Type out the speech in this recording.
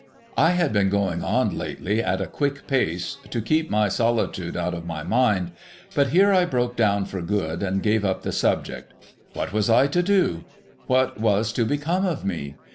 1 had been going on lately at a quick pace to keep my solitude out of my mind ; but here I broke down for good, and gave up the subject. ^Vhat was I to do ? What was to become of me